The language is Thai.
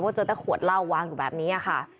แค่ว่าเจอฉันแต่ขวดเล้าวางอยู่แบบนี้อะค่ะ